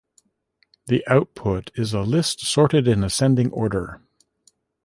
The output is a list sorted in ascending order.